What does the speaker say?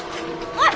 おい！